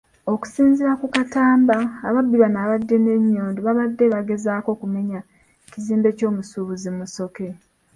Okusinziira ku Katamba, ababbi bano abaabadde ne nnyondo baabadde bagezaako kumenya kizimbe ky'omusuubuzi Musoke.